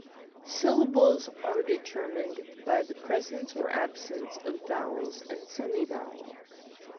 Syllables are determined by the presence or absence of vowels and semi-vowels.